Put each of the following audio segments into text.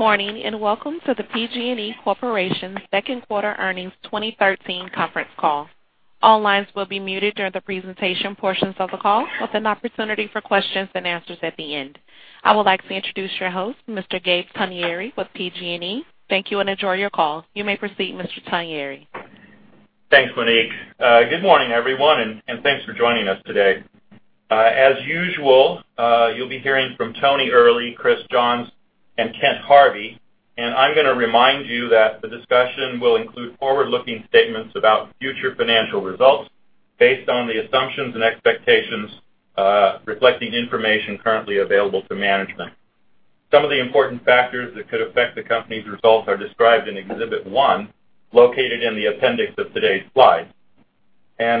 Good morning, welcome to the PG&E Corporation second quarter earnings 2013 conference call. All lines will be muted during the presentation portions of the call, with an opportunity for questions and answers at the end. I would like to introduce your host, Mr. Gabe Togneri with PG&E. Thank you, enjoy your call. You may proceed, Mr. Togneri. Thanks, Monique. Good morning, everyone, thanks for joining us today. As usual, you'll be hearing from Tony Earley, Christopher Johns, and Kent Harvey. I'm going to remind you that the discussion will include forward-looking statements about future financial results based on the assumptions and expectations reflecting information currently available to management. Some of the important factors that could affect the company's results are described in Exhibit 1, located in the appendix of today's slide.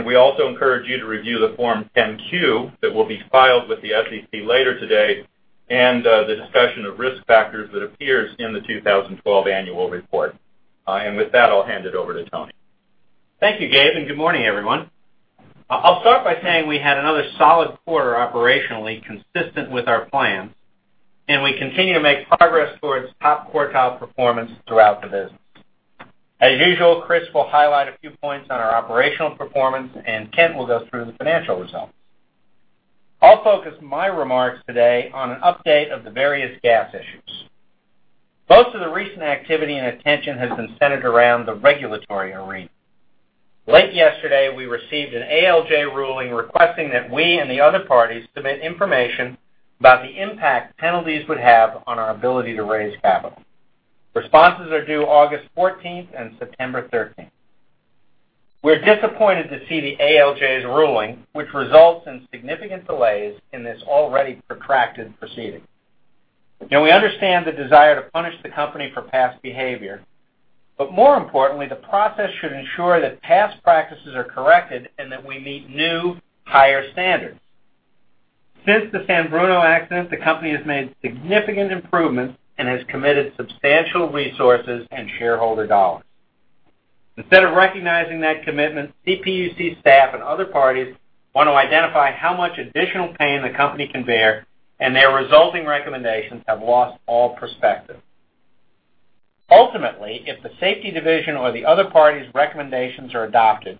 We also encourage you to review the Form 10-Q that will be filed with the SEC later today and the discussion of risk factors that appears in the 2012 annual report. With that, I'll hand it over to Tony. Thank you, Gabe, good morning, everyone. I'll start by saying we had another solid quarter operationally consistent with our plans, we continue to make progress towards top quartile performance throughout the business. As usual, Chris will highlight a few points on our operational performance, Kent will go through the financial results. I'll focus my remarks today on an update of the various gas issues. Most of the recent activity and attention has been centered around the regulatory arena. Late yesterday, we received an ALJ ruling requesting that we and the other parties submit information about the impact penalties would have on our ability to raise capital. Responses are due August 14th and September 13th. We're disappointed to see the ALJ's ruling, which results in significant delays in this already protracted proceeding. We understand the desire to punish the company for past behavior, more importantly, the process should ensure that past practices are corrected and that we meet new, higher standards. Since the San Bruno accident, the company has made significant improvements and has committed substantial resources and shareholder dollars. Instead of recognizing that commitment, CPUC staff and other parties want to identify how much additional pain the company can bear, their resulting recommendations have lost all perspective. Ultimately, if the safety division or the other parties' recommendations are adopted,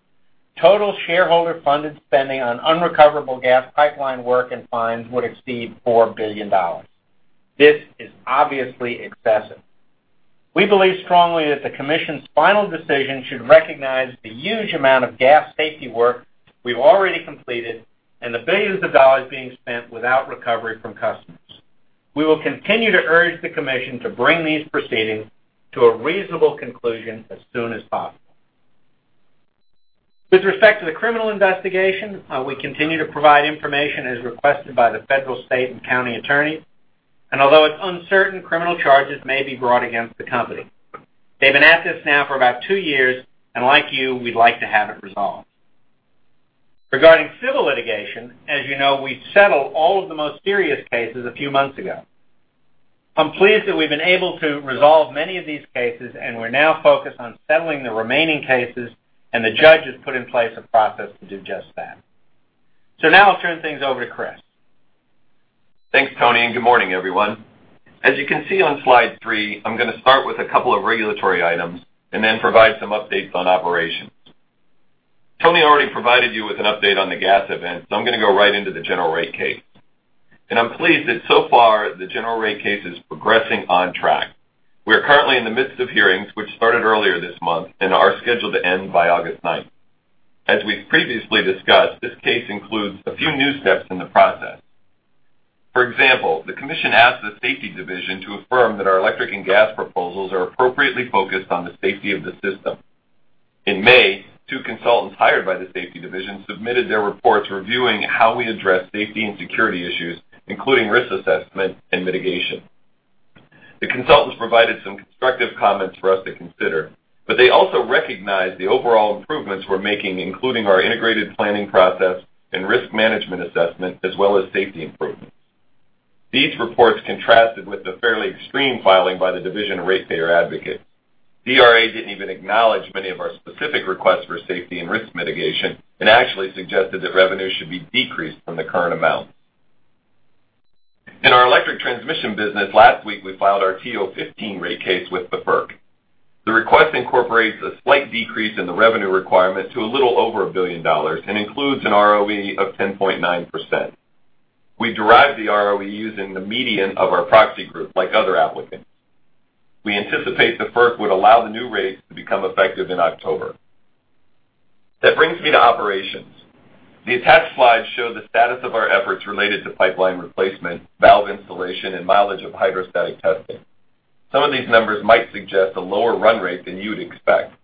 total shareholder-funded spending on unrecoverable gas pipeline work and fines would exceed $4 billion. This is obviously excessive. We believe strongly that the commission's final decision should recognize the huge amount of gas safety work we've already completed and the billions of dollars being spent without recovery from customers. We will continue to urge the Commission to bring these proceedings to a reasonable conclusion as soon as possible. With respect to the criminal investigation, we continue to provide information as requested by the federal, state, and county attorney. Although it's uncertain, criminal charges may be brought against the company. They've been at this now for about 2 years. Like you, we'd like to have it resolved. Regarding civil litigation, as you know, we settled all of the most serious cases a few months ago. I'm pleased that we've been able to resolve many of these cases. We're now focused on settling the remaining cases. The judge has put in place a process to do just that. Now I'll turn things over to Chris. Thanks, Tony. Good morning, everyone. As you can see on slide three, I'm going to start with a couple of regulatory items. Then provide some updates on operations. Tony already provided you with an update on the gas event. I'm going to go right into the general rate case. I'm pleased that so far, the general rate case is progressing on track. We are currently in the midst of hearings, which started earlier this month and are scheduled to end by August 9th. As we've previously discussed, this case includes a few new steps in the process. For example, the Commission asked the Safety and Enforcement Division to affirm that our electric and gas proposals are appropriately focused on the safety of the system. In May, two consultants hired by the Safety and Enforcement Division submitted their reports reviewing how we address safety and security issues, including risk assessment and mitigation. The consultants provided some constructive comments for us to consider. They also recognized the overall improvements we're making, including our integrated planning process and risk management assessment, as well as safety improvements. These reports contrasted with the fairly extreme filing by the Division of Ratepayer Advocates. DRA didn't even acknowledge many of our specific requests for safety and risk mitigation and actually suggested that revenue should be decreased from the current amount. In our electric transmission business, last week, we filed our TO15 rate case with the FERC. The request incorporates a slight decrease in the revenue requirement to a little over $1 billion and includes an ROE of 10.9%. We derived the ROE using the median of our proxy group like other applicants. We anticipate the FERC would allow the new rates to become effective in October. That brings me to operations. The attached slides show the status of our efforts related to pipeline replacement, valve installation, and mileage of hydrostatic testing. Some of these numbers might suggest a lower run rate than you would expect.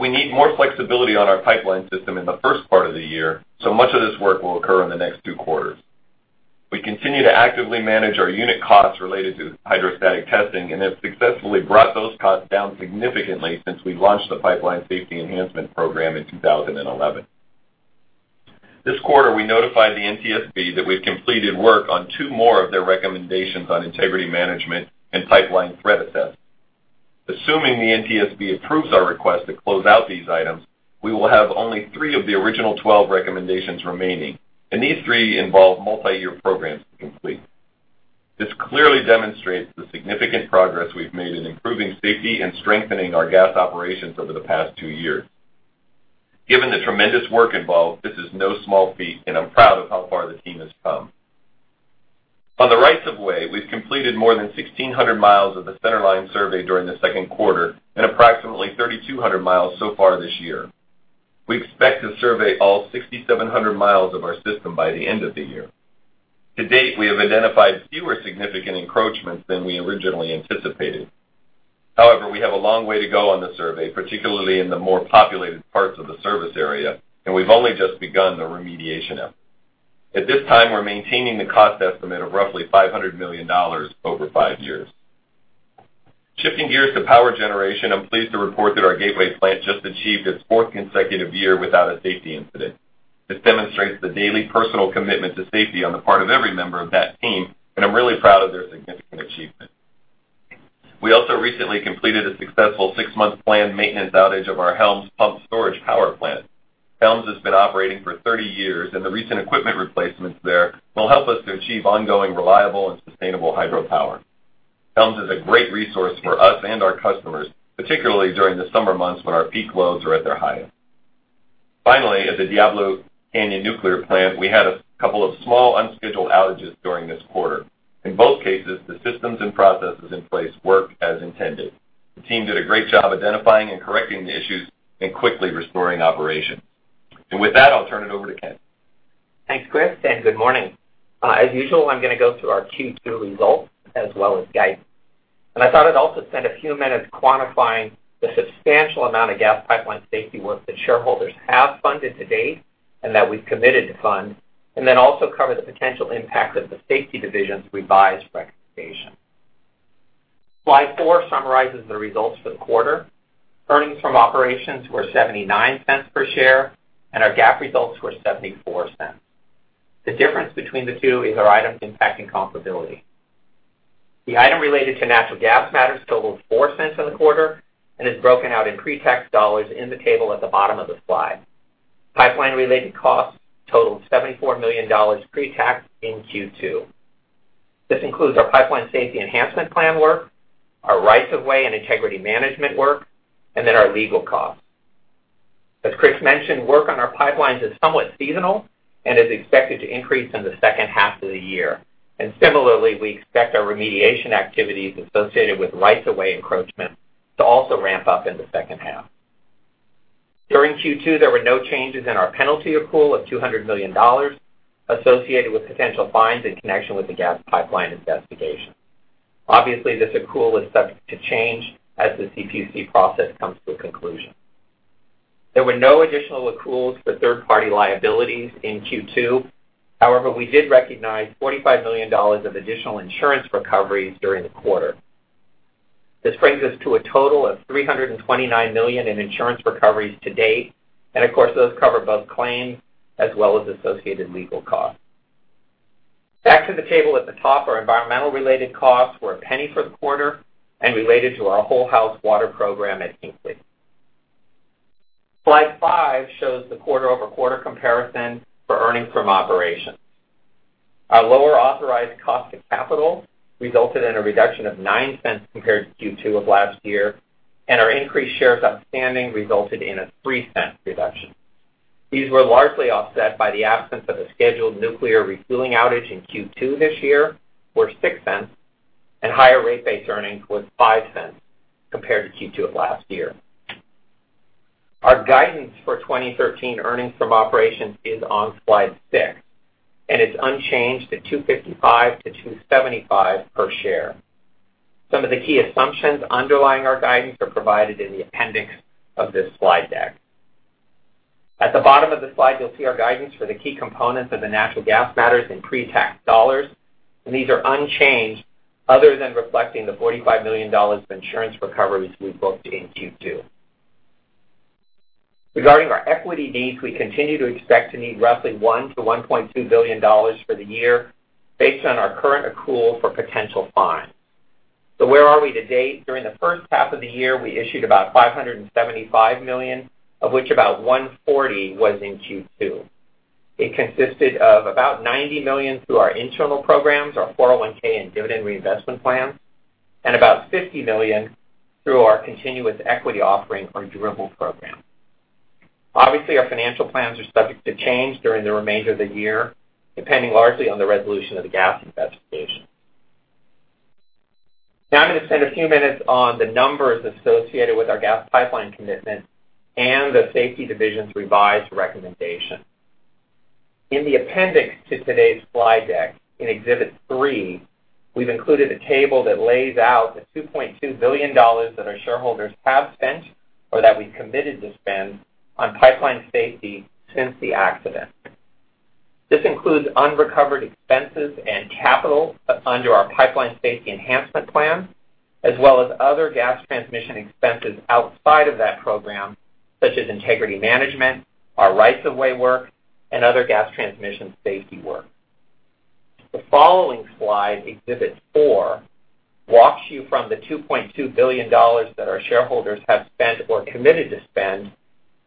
We need more flexibility on our pipeline system in the first part of the year. Much of this work will occur in the next two quarters. We continue to actively manage our unit costs related to hydrostatic testing and have successfully brought those costs down significantly since we launched the Pipeline Safety Enhancement Plan in 2011. This quarter, we notified the NTSB that we've completed work on two more of their recommendations on integrity management and pipeline threat assessment. Assuming the NTSB approves our request to close out these items, we will have only three of the original 12 recommendations remaining, and these three involve multi-year programs to complete. This clearly demonstrates the significant progress we've made in improving safety and strengthening our gas operations over the past two years. Given the tremendous work involved, this is no small feat, and I'm proud of how far the team has come. On the rights of way, we've completed more than 1,600 miles of the centerline survey during the second quarter and approximately 3,200 miles so far this year. We expect to survey all 6,700 miles of our system by the end of the year. To date, we have identified fewer significant encroachments than we originally anticipated. We have a long way to go on the survey, particularly in the more populated parts of the service area, and we've only just begun the remediation effort. At this time, we're maintaining the cost estimate of roughly $500 million over five years. Shifting gears to power generation, I'm pleased to report that our Gateway plant just achieved its fourth consecutive year without a safety incident. This demonstrates the daily personal commitment to safety on the part of every member of that team, and I'm really proud of their significant achievement. We also recently completed a successful six-month planned maintenance outage of our Helms Pumped Storage Power Plant. Helms has been operating for 30 years, and the recent equipment replacements there will help us to achieve ongoing, reliable, and sustainable hydropower. Helms is a great resource for us and our customers, particularly during the summer months when our peak loads are at their highest. At the Diablo Canyon Nuclear Plant, we had a couple of small unscheduled outages during this quarter. In both cases, the systems and processes in place worked as intended. The team did a great job identifying and correcting the issues and quickly restoring operations. With that, I'll turn it over to Kent. Thanks, Chris, good morning. As usual, I'm going to go through our Q2 results as well as guidance. I thought I'd also spend a few minutes quantifying the substantial amount of gas pipeline safety work that shareholders have funded to date and that we've committed to fund, also cover the potential impact of the Safety and Enforcement Division's revised recommendation. Slide four summarizes the results for the quarter. Earnings from operations were $0.79 per share, and our GAAP results were $0.74. The difference between the two is our item impacting comparability. The item related to natural gas matters totaled $0.04 in the quarter and is broken out in pre-tax dollars in the table at the bottom of the slide. Pipeline-related costs totaled $74 million pre-tax in Q2. This includes our Pipeline Safety Enhancement Plan work, our rights of way and integrity management work, then our legal costs. As Chris mentioned, work on our pipelines is somewhat seasonal and is expected to increase in the second half of the year. Similarly, we expect our remediation activities associated with rights of way encroachment to also ramp up in the second half. During Q2, there were no changes in our penalty accrual of $200 million associated with potential fines in connection with the gas pipeline investigation. Obviously, this accrual is subject to change as the CPUC process comes to a conclusion. There were no additional accruals for third-party liabilities in Q2. However, we did recognize $45 million of additional insurance recoveries during the quarter. This brings us to a total of $329 million in insurance recoveries to date. Of course, those cover both claims as well as associated legal costs. Back to the table at the top, our environmental-related costs were $0.01 for the quarter and related to our whole house water program at Hinkley. Slide five shows the quarter-over-quarter comparison for earnings from operations. Our lower authorized cost of capital resulted in a reduction of $0.09 compared to Q2 of last year, our increased shares outstanding resulted in a $0.03 reduction. These were largely offset by the absence of a scheduled nuclear refueling outage in Q2 this year, or $0.06, and higher rate base earnings was $0.05 compared to Q2 of last year. Our guidance for 2013 earnings from operations is on slide six, it's unchanged at $2.55-$2.75 per share. Some of the key assumptions underlying our guidance are provided in the appendix of this slide deck. At the bottom of the slide, you'll see our guidance for the key components of the natural gas matters in pre-tax dollars, these are unchanged other than reflecting the $45 million of insurance recoveries we booked in Q2. Regarding our equity needs, we continue to expect to need roughly $1 billion-$1.2 billion for the year based on our current accrual for potential fines. Where are we to date? During the first half of the year, we issued about $575 million, of which about $140 million was in Q2. It consisted of about $90 million through our internal programs, our 401 and dividend reinvestment plans, and about $50 million through our continuous equity offering or dribble program. Obviously, our financial plans are subject to change during the remainder of the year, depending largely on the resolution of the gas investigation. Now I'm going to spend a few minutes on the numbers associated with our gas pipeline commitment and the Safety Division's revised recommendation. In the appendix to today's slide deck, in Exhibit three, we've included a table that lays out the $2.2 billion that our shareholders have spent or that we've committed to spend on pipeline safety since the accident. This includes unrecovered expenses and capital under our Pipeline Safety Enhancement Plan, as well as other gas transmission expenses outside of that program, such as integrity management, our rights of way work, and other gas transmission safety work. The following slide, Exhibit Four, walks you from the $2.2 billion that our shareholders have spent or committed to spend,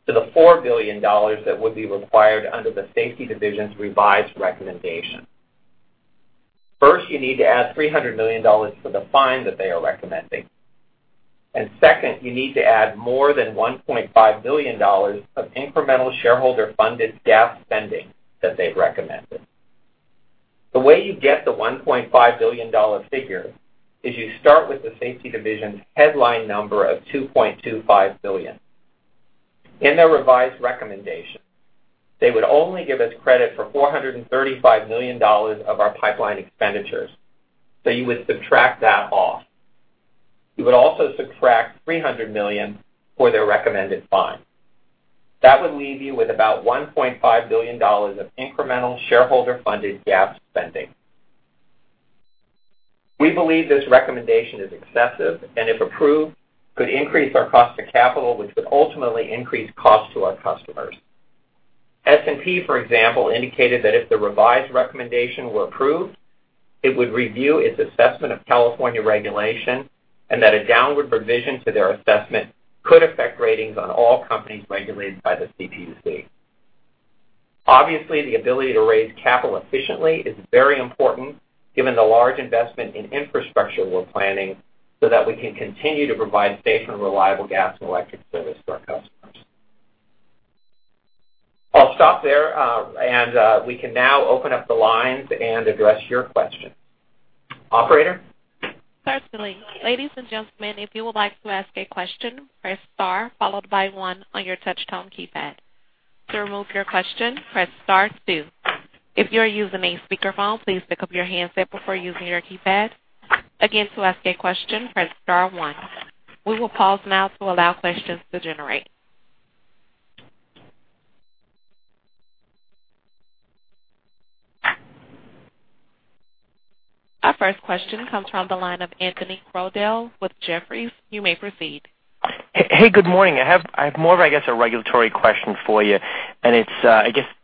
to the $4 billion that would be required under the Safety Division's revised recommendation. First, you need to add $300 million for the fine that they are recommending. Second, you need to add more than $1.5 billion of incremental shareholder-funded GAAP spending that they've recommended. The way you get the $1.5 billion figure is you start with the Safety Division's headline number of $2.25 billion. In their revised recommendation, they would only give us credit for $435 million of our pipeline expenditures, so you would subtract that off. You would also subtract $300 million for their recommended fine. That would leave you with about $1.5 billion of incremental shareholder-funded GAAP spending. We believe this recommendation is excessive and, if approved, could increase our cost of capital, which would ultimately increase costs to our customers. S&P, for example, indicated that if the revised recommendation were approved, it would review its assessment of California regulation, and that a downward revision to their assessment could affect ratings on all companies regulated by the CPUC. Obviously, the ability to raise capital efficiently is very important given the large investment in infrastructure we're planning so that we can continue to provide safe and reliable gas and electric service to our customers. I'll stop there, and we can now open up the lines and address your questions. Operator? Certainly. Ladies and gentlemen, if you would like to ask a question, press star 1 on your touch tone keypad. To remove your question, press star 2. If you are using a speakerphone, please pick up your handset before using your keypad. Again, to ask a question, press star 1. We will pause now to allow questions to generate. Our first question comes from the line of Anthony Crowdell with Jefferies. You may proceed. Hey, good morning. I have more of a regulatory question for you, and it's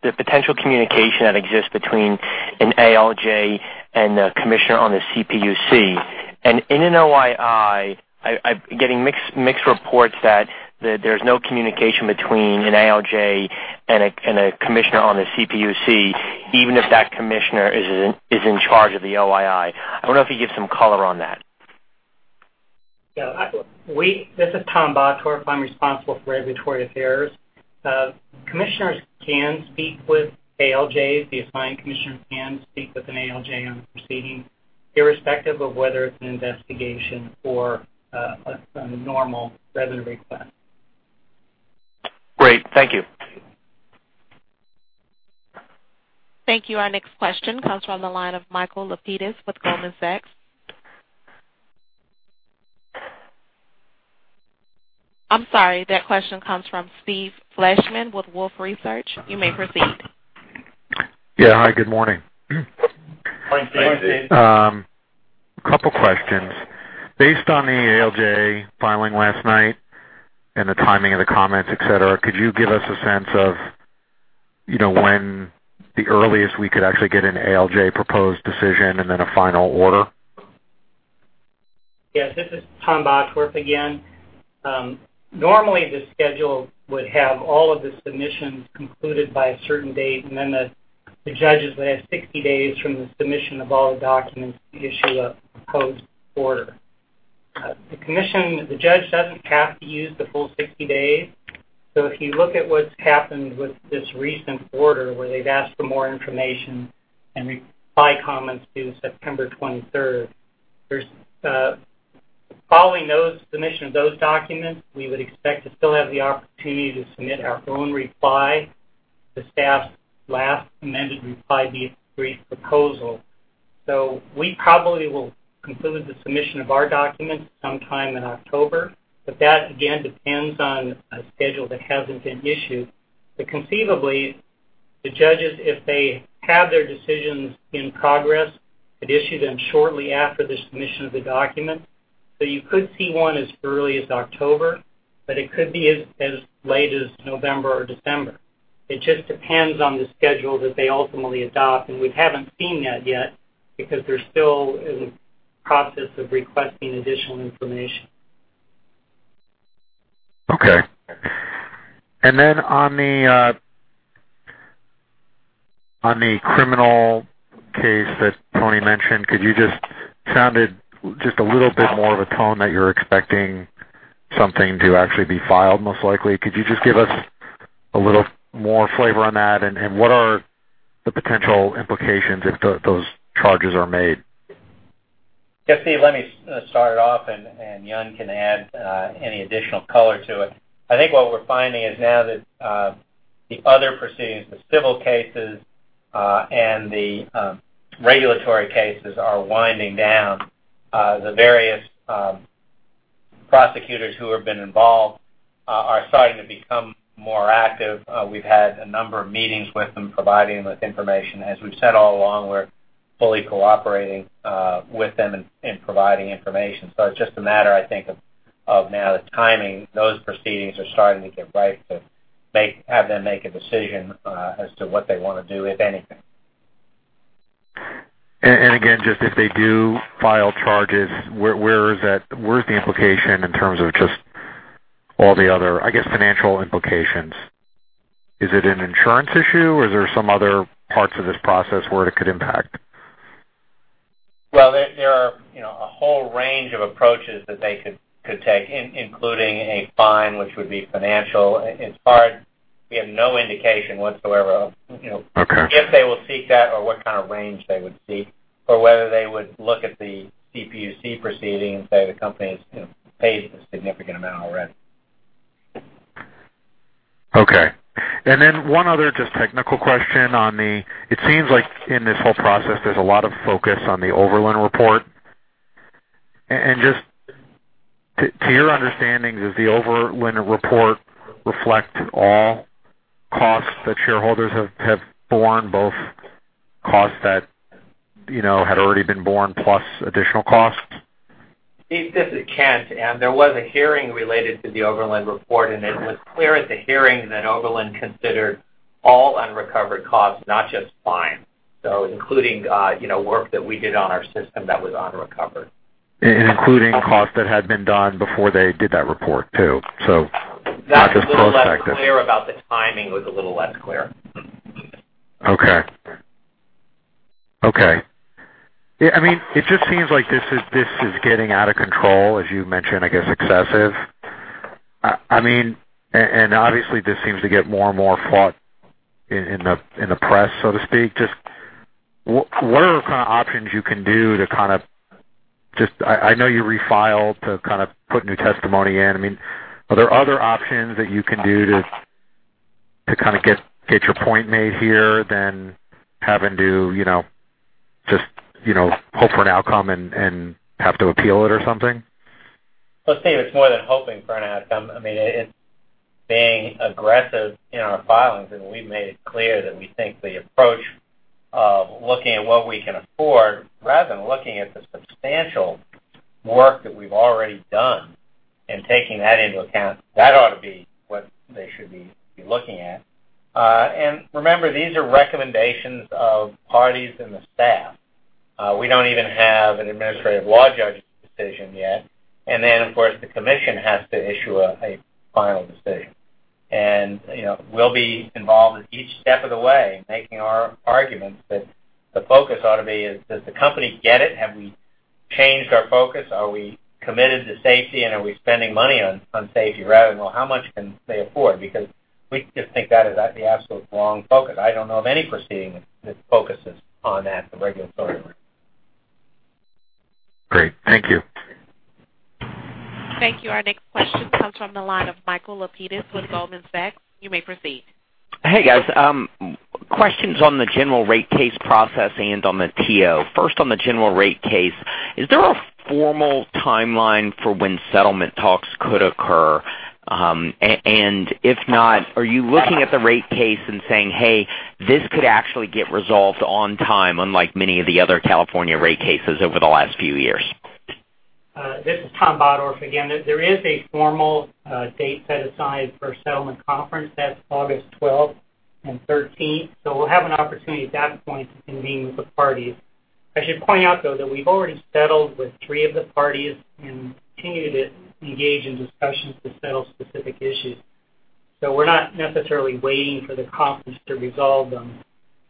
the potential communication that exists between an ALJ and a commissioner on the CPUC. In an OII, I'm getting mixed reports that there's no communication between an ALJ and a commissioner on the CPUC, even if that commissioner is in charge of the OII. I wonder if you can give some color on that. Yeah. This is Thomas Bottorff. I'm responsible for regulatory affairs. Commissioners can speak with ALJs. The assigned commissioner can speak with an ALJ on a proceeding irrespective of whether it's an investigation or a normal revenue request. Great. Thank you. Thank you. Our next question comes from the line of Michael Lapides with Goldman Sachs. I'm sorry. That question comes from Steve Fleishman with Wolfe Research. You may proceed. Yeah. Hi, good morning. Morning, Steve. A couple questions. Based on the ALJ filing last night and the timing of the comments, et cetera, could you give us a sense of when the earliest we could actually get an ALJ proposed decision and then a final order? Yes, this is Thomas Bottorff again. Normally, the schedule would have all of the submissions concluded by a certain date, and then the judges would have 60 days from the submission of all the documents to issue a proposed order. The judge doesn't have to use the full 60 days. If you look at what's happened with this recent order where they've asked for more information and reply comments due September 23rd, following submission of those documents, we would expect to still have the opportunity to submit our own reply to staff's last amended reply brief proposal. We probably will conclude the submission of our documents sometime in October, but that, again, depends on a schedule that hasn't been issued. Conceivably, the judges, if they have their decisions in progress, could issue them shortly after the submission of the document. You could see one as early as October, it could be as late as November or December. It just depends on the schedule that they ultimately adopt, and we haven't seen that yet because they're still in the process of requesting additional information. Okay. On the criminal case that Tony Earley mentioned, you sounded just a little bit more of a tone that you're expecting something to actually be filed most likely. Could you just give us a little more flavor on that, and what are the potential implications if those charges are made? Yeah, Steve, let me start off. You'll can add any additional color to it. I think what we're finding is now that the other proceedings, the civil cases, and the regulatory cases are winding down, the various prosecutors who have been involved are starting to become more active. We've had a number of meetings with them, providing them with information. As we've said all along, we're fully cooperating with them in providing information. It's just a matter, I think, of now the timing, those proceedings are starting to get right to have them make a decision as to what they want to do, if anything. Again, just if they do file charges, where's the implication in terms of just all the other, I guess, financial implications? Is it an insurance issue, or is there some other parts of this process where it could impact? Well, there are a whole range of approaches that they could take, including a fine, which would be financial. As far as, we have no indication whatsoever of- Okay if they will seek that or what kind of range they would seek, or whether they would look at the CPUC proceeding and say the company has paid a significant amount already. Okay. One other just technical question. It seems like in this whole process, there's a lot of focus on the Overland report. Just to your understanding, does the Overland report reflect all costs that shareholders have borne, both costs that had already been borne plus additional costs? Steve, this is Kent. There was a hearing related to the Overland report, and it was clear at the hearing that Overland considered all unrecovered costs, not just fine. Including work that we did on our system that was unrecovered. Including costs that had been done before they did that report, too. Not just prospective. That was a little less clear about the timing. It was a little less clear. Okay. I mean, it just seems like this is getting out of control, as you mentioned, I guess excessive. Obviously, this seems to get more and more fraught in the press, so to speak. Just what are the kind of options you can do to just I know you refiled to kind of put new testimony in. I mean, are there other options that you can do to get your point made here than having to just hope for an outcome and have to appeal it or something? Well, Steve, it's more than hoping for an outcome. I mean, it's being aggressive in our filings, and we've made it clear that we think the approach of looking at what we can afford rather than looking at the substantial work that we've already done and taking that into account, that ought to be what they should be looking at. Remember, these are recommendations of parties and the staff. We don't even have an administrative law judge's decision yet. Then, of course, the commission has to issue a final decision. We'll be involved in each step of the way, making our arguments that the focus ought to be is, does the company get it? Have we changed our focus? Are we committed to safety, and are we spending money on safety, rather than, well, how much can they afford? We just think that is the absolute wrong focus. I don't know of any proceeding that focuses on that, the regulatory. Great. Thank you. Thank you. Our next question comes from the line of Michael Lapides with Goldman Sachs. You may proceed. Hey, guys. Questions on the general rate case process and on the TO. First, on the general rate case, is there a formal timeline for when settlement talks could occur? If not, are you looking at the rate case and saying, "Hey, this could actually get resolved on time," unlike many of the other California rate cases over the last few years? This is Thomas Bottorff again. There is a formal date set aside for a settlement conference. That's August twelfth and thirteenth. We'll have an opportunity at that point to convene with the parties. I should point out, though, that we've already settled with three of the parties and continue to engage in discussions to settle specific issues. We're not necessarily waiting for the conference to resolve them.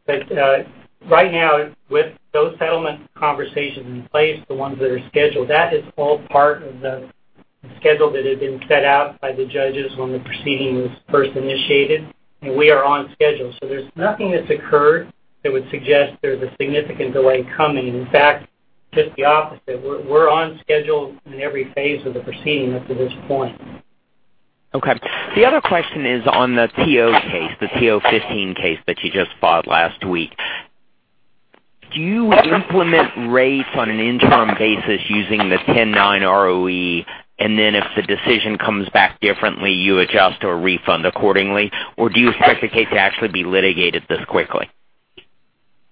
Right now, with those settlement conversations in place, the ones that are scheduled, that is all part of the schedule that had been set out by the judges when the proceeding was first initiated. We are on schedule. There's nothing that's occurred that would suggest there's a significant delay coming. In fact, just the opposite. We're on schedule in every phase of the proceeding up to this point. Okay. The other question is on the TO case, the TO 15 case that you just filed last week. Do you implement rates on an interim basis using the 10.9 ROE, if the decision comes back differently, you adjust or refund accordingly? Do you expect the case to actually be litigated this quickly?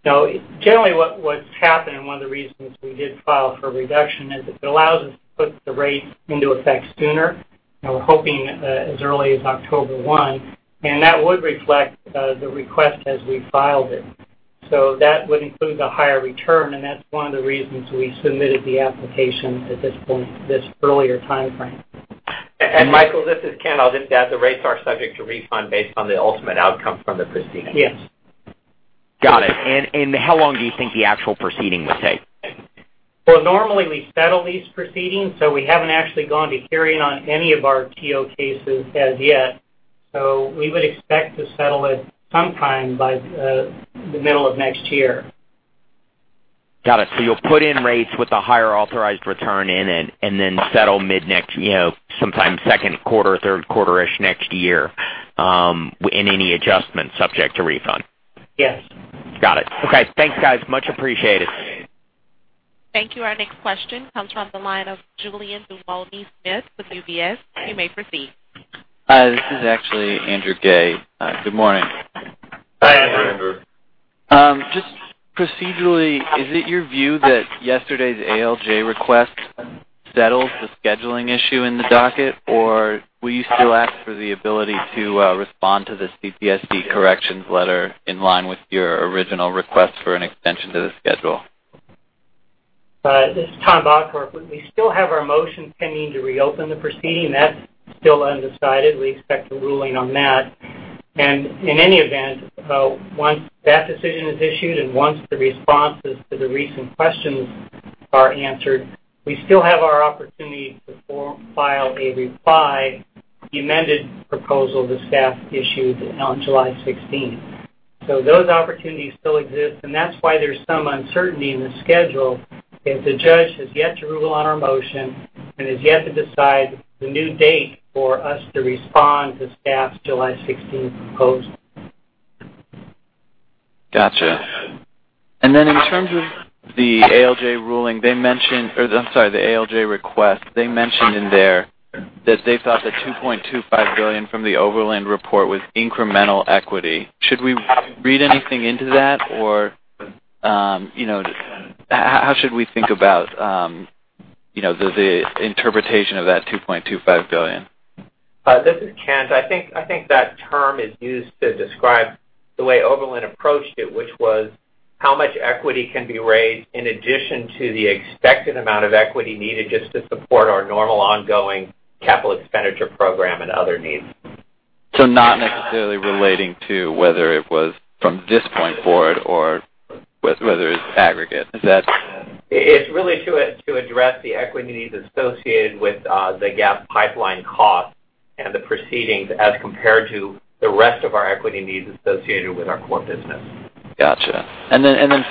No. Generally, what's happened, one of the reasons we did file for a reduction is it allows us to put the rate into effect sooner. We're hoping as early as October one, that would reflect the request as we filed it. That would include the higher return, that's one of the reasons we submitted the application at this point, this earlier timeframe. Michael, this is Kent. I'll just add, the rates are subject to refund based on the ultimate outcome from the proceedings. Yes. Got it. How long do you think the actual proceeding will take? Well, normally, we settle these proceedings, we haven't actually gone to hearing on any of our TO cases as yet. We would expect to settle it sometime by the middle of next year. Got it. You'll put in rates with the higher authorized return in it and then settle sometime second quarter, third quarter-ish next year, in any adjustment subject to refund. Yes. Got it. Okay. Thanks, guys. Much appreciated. Thank you. Our next question comes from the line of Julien Dumoulin-Smith with UBS. You may proceed. This is actually Andrew Gay. Good morning. Hi, Andrew. Procedurally, is it your view that yesterday's ALJ request settles the scheduling issue in the docket? Will you still ask for the ability to respond to the CPSD corrections letter in line with your original request for an extension to the schedule? This is Thomas Bottorff. We still have our motion pending to reopen the proceeding. That's still undecided. We expect a ruling on that. In any event, once that decision is issued and once the responses to the recent questions are answered, we still have our opportunity to file a reply/amended proposal the staff issued on July 16th. Those opportunities still exist, and that's why there's some uncertainty in the schedule, as the judge has yet to rule on our motion and has yet to decide the new date for us to respond to staff's July 16th proposal. Got you. In terms of the ALJ request, they mentioned in there that they thought the $2.25 billion from the Overland report was incremental equity. Should we read anything into that? How should we think about the interpretation of that $2.25 billion? This is Kent. I think that term is used to describe the way Overland approached it, which was how much equity can be raised in addition to the expected amount of equity needed just to support our normal ongoing capital expenditure program and other needs. Not necessarily relating to whether it was from this point forward or whether it's aggregate. Is that? It's really to address the equity needs associated with the gap pipeline cost and the proceedings as compared to the rest of our equity needs associated with our core business. Got you.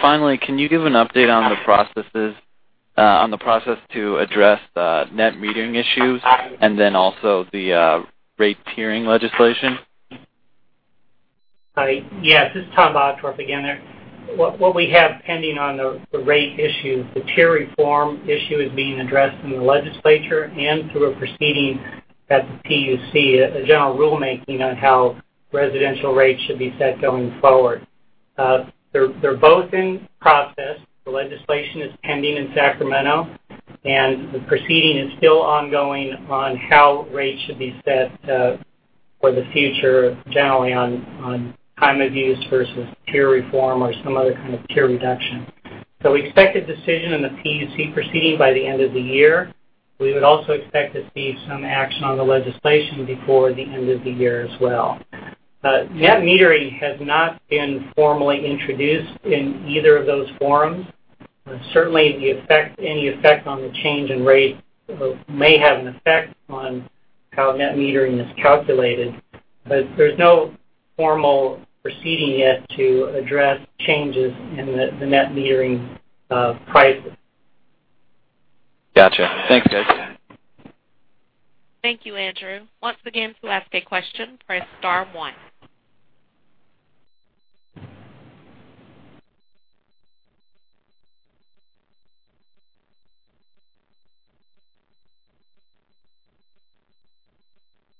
Finally, can you give an update on the process to address the net metering issues and also the rate tiering legislation? Yes, this is Thomas Bottorff again. What we have pending on the rate issue, the tier reform issue is being addressed in the legislature and through a proceeding at the PUC, a general rulemaking on how residential rates should be set going forward. They're both in process. The legislation is pending in Sacramento, and the proceeding is still ongoing on how rates should be set for the future, generally on time of use versus tier reform or some other kind of tier reduction. We expect a decision in the PUC proceeding by the end of the year. We would also expect to see some action on the legislation before the end of the year as well. Net metering has not been formally introduced in either of those forums. Certainly, any effect on the change in rate may have an effect on how net metering is calculated, but there's no formal proceeding yet to address changes in the net metering price. Got you. Thank you, guys. Thank you, Andrew. Once again, to ask a question, press star one.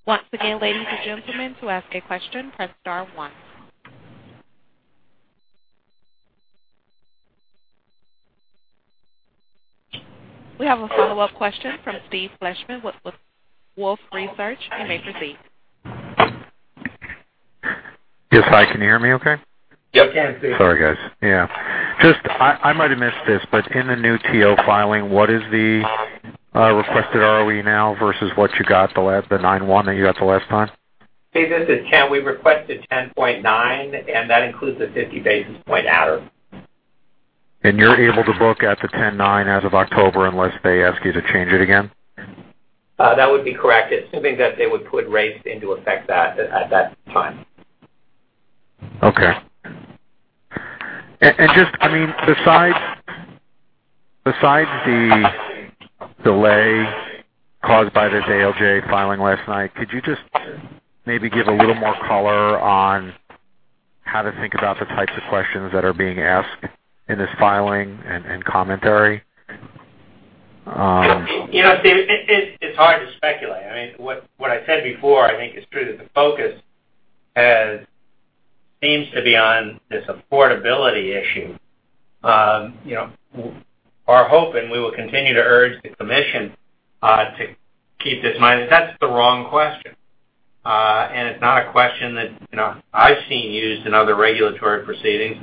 Once again, ladies and gentlemen, to ask a question, press star one. We have a follow-up question from Steve Fleishman with Wolfe Research. You may proceed. Yes. Hi, can you hear me okay? Yes. We can, Steve. Sorry, guys. Yeah. I might have missed this. In the new TO filing, what is the requested ROE now versus what you got, the 9.1 that you got the last time? Steve, this is Kent. We requested 10.9, that includes the 50 basis point adder. You're able to book at the 10.9 as of October unless they ask you to change it again? That would be correct, assuming that they would put rates into effect at that time. Okay. Besides the delay caused by this ALJ filing last night, could you just maybe give a little more color on how to think about the types of questions that are being asked in this filing and commentary? Steve, it's hard to speculate. What I said before, I think, is true, that the focus seems to be on this affordability issue. Our hope, we will continue to urge the Commission to keep this in mind, is that's the wrong question. It's not a question that I've seen used in other regulatory proceedings.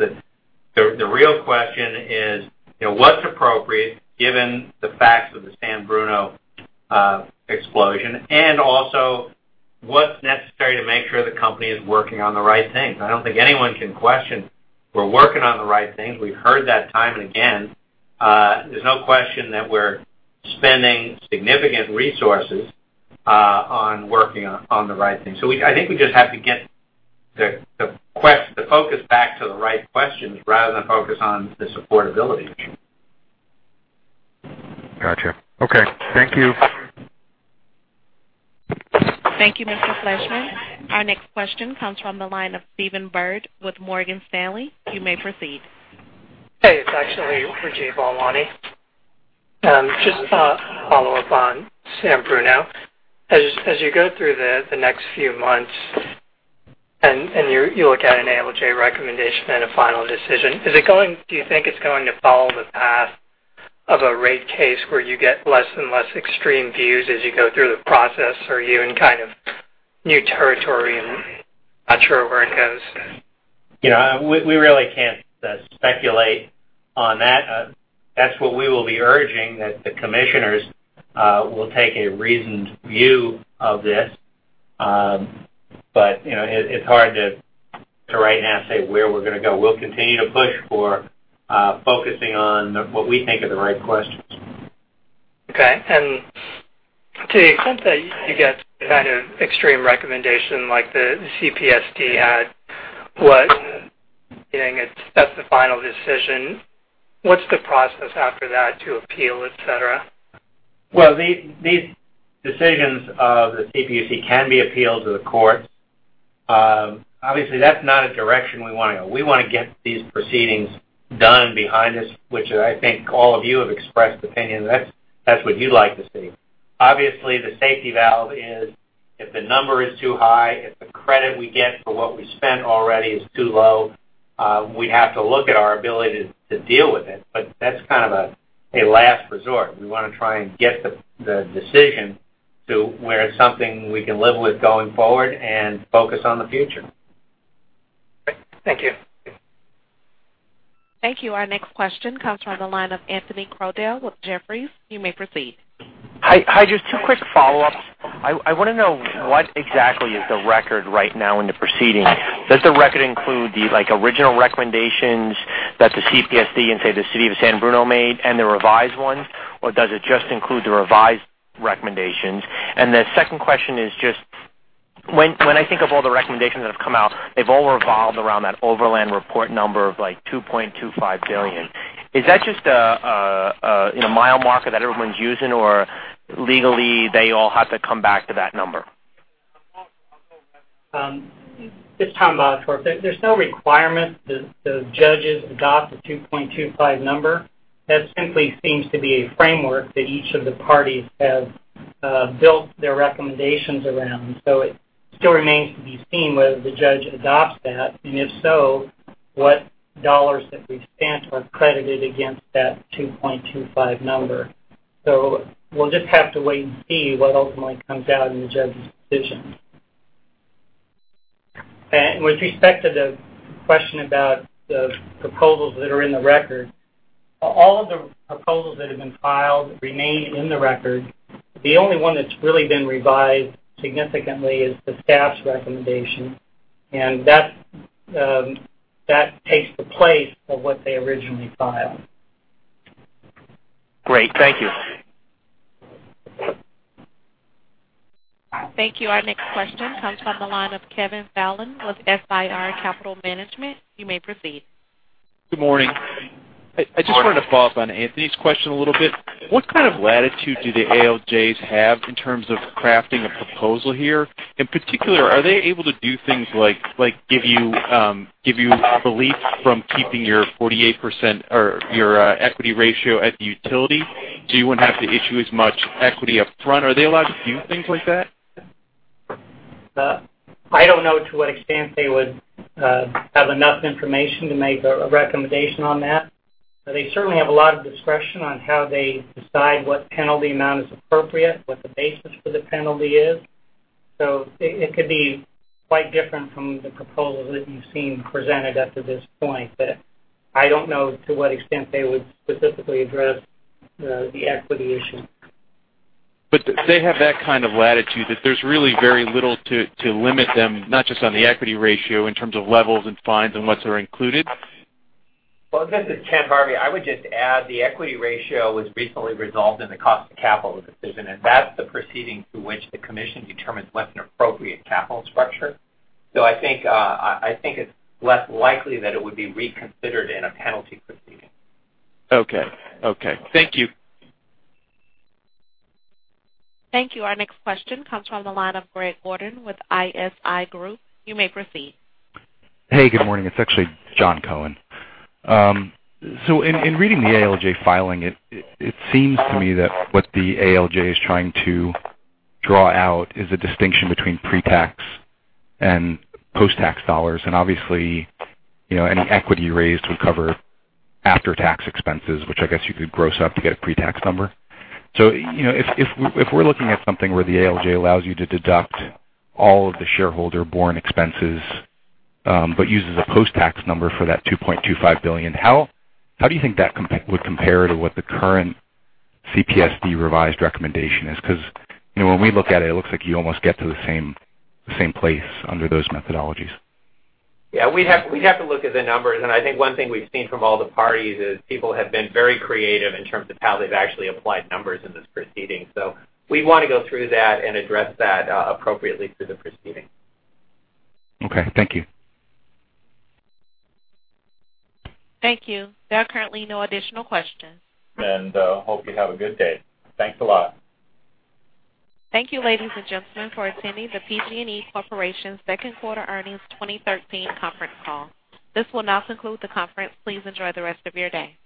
The real question is what's appropriate given the facts of the San Bruno explosion? Also what's necessary to make sure the company is working on the right things? I don't think anyone can question we're working on the right things. We've heard that time and again. There's no question that we're spending significant resources on working on the right things. I think we just have to get the focus back to the right questions rather than focus on this affordability issue. Got you. Okay. Thank you. Thank you, Mr. Fleishman. Our next question comes from the line of Stephen Byrd with Morgan Stanley. You may proceed. Hey, it's actually Rajeev Lalwani. Just to follow up on San Bruno, as you go through the next few months and you look at an ALJ recommendation and a final decision, do you think it's going to follow the path of a rate case where you get less and less extreme views as you go through the process? Or are you in kind of new territory and not sure where it goes? We really can't speculate on that. That's what we will be urging, that the commissioners will take a reasoned view of this. It's hard to right now say where we're going to go. We'll continue to push for focusing on what we think are the right questions. Okay. To the extent that you get some kind of extreme recommendation like the CPSD had, that's the final decision. What's the process after that to appeal, et cetera? Well, these decisions of the CPUC can be appealed to the courts. Obviously, that's not a direction we want to go. We want to get these proceedings done behind us, which I think all of you have expressed opinion that that's what you'd like to see. Obviously, the safety valve is if the number is too high, if the credit we get for what we've spent already is too low, we'd have to look at our ability to deal with it. That's kind of a last resort. We want to try and get the decision to where it's something we can live with going forward and focus on the future. Great. Thank you. Thank you. Our next question comes from the line of Anthony Crowdell with Jefferies. You may proceed. Hi. Just two quick follow-ups. I want to know what exactly is the record right now in the proceeding. Does the record include the original recommendations that the CPSD and, say, the City of San Bruno made and the revised ones, or does it just include the revised recommendations? The second question is just, when I think of all the recommendations that have come out, they've all revolved around that Overland report number of like $2.25 billion. Is that just a mile marker that everyone's using, or legally, they all have to come back to that number? This is Thomas Bottorff. There's no requirement that the judges adopt the $2.25 number. That simply seems to be a framework that each of the parties have built their recommendations around. It still remains to be seen whether the judge adopts that, and if so, what dollars that we've spent are credited against that $2.25 number. We'll just have to wait and see what ultimately comes out in the judge's decision. With respect to the question about the proposals that are in the record, all of the proposals that have been filed remain in the record. The only one that's really been revised significantly is the staff's recommendation, and that takes the place of what they originally filed. Great. Thank you. Thank you. Our next question comes from the line of Kevin Fallon with SIR Capital Management. You may proceed. Good morning. Good morning. I just wanted to follow up on Anthony's question a little bit. What kind of latitude do the ALJs have in terms of crafting a proposal here? In particular, are they able to do things like give you relief from keeping your equity ratio at the utility, so you wouldn't have to issue as much equity up front? Are they allowed to do things like that? I don't know to what extent they would have enough information to make a recommendation on that. They certainly have a lot of discretion on how they decide what penalty amount is appropriate, what the basis for the penalty is. It could be quite different from the proposals that you've seen presented up to this point. I don't know to what extent they would specifically address the equity issue. They have that kind of latitude, that there's really very little to limit them, not just on the equity ratio in terms of levels and fines and what are included? Well, this is Kent Harvey. I would just add, the equity ratio was recently resolved in the cost of capital decision, that's the proceeding through which the commission determines what's an appropriate capital structure. I think it's less likely that it would be reconsidered in a penalty proceeding. Okay. Thank you. Thank you. Our next question comes from the line of Greg Gordon with ISI Group. You may proceed. Hey, good morning. It's actually Jonathan Cohen. In reading the ALJ filing, it seems to me that what the ALJ is trying to draw out is a distinction between pre-tax and post-tax dollars, and obviously, any equity raised would cover after-tax expenses, which I guess you could gross up to get a pre-tax number. If we're looking at something where the ALJ allows you to deduct all of the shareholder-borne expenses but uses a post-tax number for that $2.25 billion, how do you think that would compare to what the current CPSD revised recommendation is? When we look at it looks like you almost get to the same place under those methodologies. Yeah, we'd have to look at the numbers, and I think one thing we've seen from all the parties is people have been very creative in terms of how they've actually applied numbers in this proceeding. We'd want to go through that and address that appropriately through the proceeding. Okay. Thank you. Thank you. There are currently no additional questions. Hope you have a good day. Thanks a lot. Thank you, ladies and gentlemen, for attending the PG&E Corporation's second quarter earnings 2013 conference call. This will now conclude the conference. Please enjoy the rest of your day.